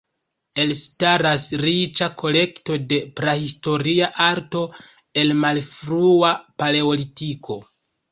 Elstaras riĉa kolekto de prahistoria arto el Malfrua Paleolitiko.